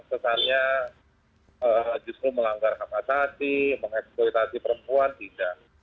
sesuatunya justru melanggar hak asesi mengeksploitasi perempuan tidak